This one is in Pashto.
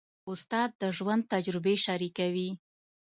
استاد د ژوند تجربې شریکوي.